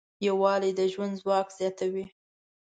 یووالی د ژوند ځواک زیاتوي.